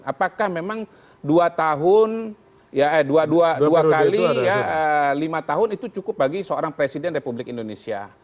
apakah memang dua tahun dua kali lima tahun itu cukup bagi seorang presiden republik indonesia